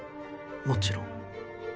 もちろん。